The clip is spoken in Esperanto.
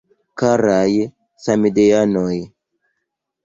Karaj samideanoj!